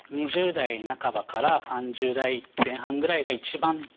２０代半ばから３０代前半ぐらいが一番ピークですね。